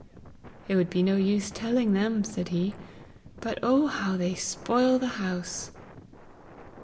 'It would be no use telling them,' said he; 'but, oh, how they spoil the house!'